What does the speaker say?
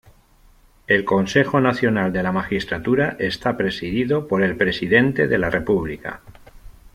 El Consejo Nacional de la Magistratura está presidido por el Presidente de la República.